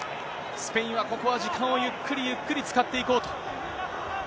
スペインは、ここは時間をゆっくり、ゆっくり使っていこうと。